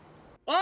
あ！